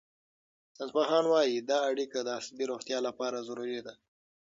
ساینسپوهان وايي دا اړیکه د عصبي روغتیا لپاره ضروري ده.